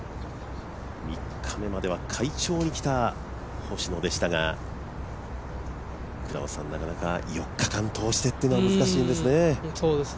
３日目までは快調にきた星野でしたがなかなか４日間通してっていうのは難しいですね。